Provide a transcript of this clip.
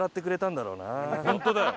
本当だよ。